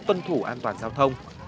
tuân thủ an toàn giao thông